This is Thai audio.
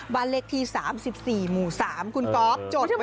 บ้านเลขที่๓๔หมู่๓คุณก๊อบจดไว้นะคะ